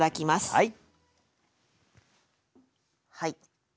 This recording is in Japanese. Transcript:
はい。